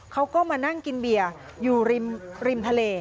เขาก็มานั่งกินเบียร์อยู่ริมทะเล